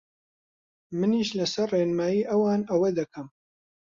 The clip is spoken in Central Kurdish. منیش لەسەر ڕێنمایی ئەوان ئەوە دەکەم